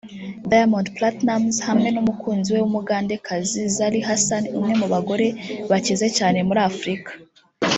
Diamond Platnumz hamwe n'umukunzi we w'umugandekazi Zari Hassan umwe mu bagore bakize cyane muri Afrika